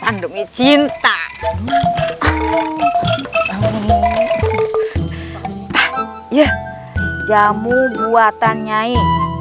ngecinta ya jamu buatan nyai